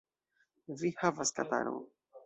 Vi havas kataron.